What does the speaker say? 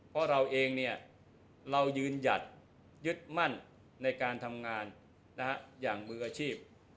เพราะเราเองเนี่ยเรายืนหยัดยึดมั่นในการทำงานอย่างมืออาชีพ